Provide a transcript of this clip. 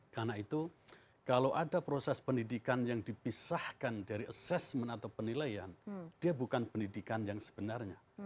karena itu kalau ada proses pendidikan yang dipisahkan dari assessment atau penilaian dia bukan pendidikan yang sebenarnya